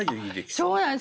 そうなんです。